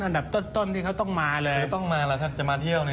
อันดับต้นที่เขาต้องมาเลย